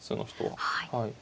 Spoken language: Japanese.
はい。